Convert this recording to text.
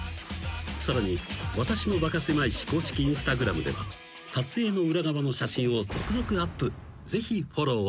［さらに『私のバカせまい史』公式Ｉｎｓｔａｇｒａｍでは撮影の裏側の写真を続々アップ］